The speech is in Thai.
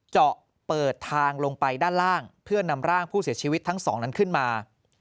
เจาะเปิดทางลงไปด้านล่างเพื่อนำร่างผู้เสียชีวิตทั้งสองนั้นขึ้นมา